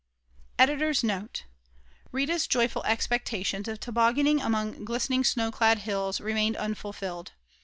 EDITOR'S NOTE Rita's joyful expectations of tobogganing among glistening snow clad hills, remained unfulfilled.